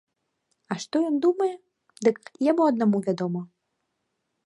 А што ён думае, дык яму аднаму вядома.